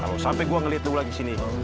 kalau sampai gue ngeliat lu lagi sini